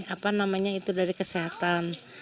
apa namanya itu dari kesehatan